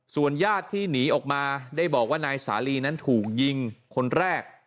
ส่วนญาติที่หนีออกมาได้บอกว่านายสาลีนั้นถูกยิงคนแรก